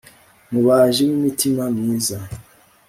mubaji w’imitima myiza